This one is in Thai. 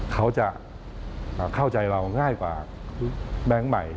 เขาจะเข้าใจเราง่ายกว่าแบงค์ใหม่